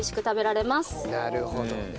なるほどね。